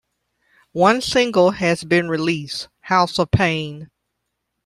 One single has been released, "House of Pain".